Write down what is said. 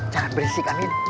jangan berisik aniel